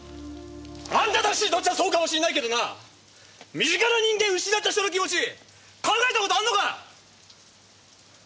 あんた達にとってはそうかもしれないけどな身近な人間を失った人の気持ち考えたことあるのか！